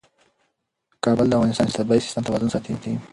کابل د افغانستان د طبعي سیسټم توازن ساتي.